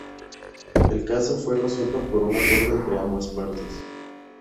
El caso fue resuelto por un acuerdo entre ambas partes.